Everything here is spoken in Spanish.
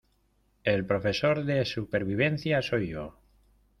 el profesor de supervivencia soy yo.